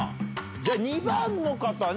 じゃあ２番の方。